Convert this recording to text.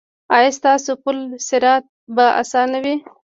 ایا ستاسو پل صراط به اسانه وي؟